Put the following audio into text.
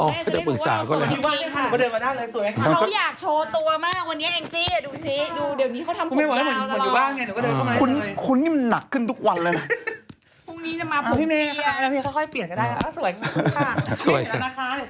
เหมือนอยู่บ้านไงหนูก็เดินเข้ามา